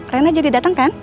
rena jadi datang kan